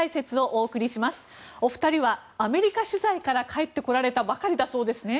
お二人はアメリカ取材から帰ってこられたばかりだそうですね。